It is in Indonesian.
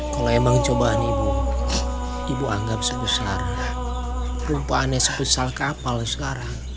kalau emang cobaan ibu ibu anggap sebesar rumpaannya sebesar kapal sekarang